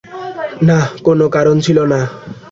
না, কোন কারণ ছিল না।